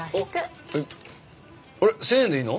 １０００円でいいの？